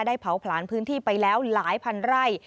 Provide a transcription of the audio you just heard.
เผาผลาญพื้นที่ไปแล้วหลายพันไร่